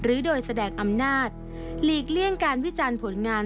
หรือโดยแสดงอำนาจหลีกเลี่ยงการวิจารณ์ผลงาน